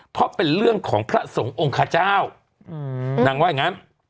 เพราะเป็นเรื่องของพระสงฆ์องค์ขเจ้านางว่าอย่างนั้น